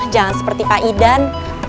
jangan seperti pak idan